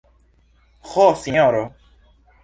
Ho, sinjoro!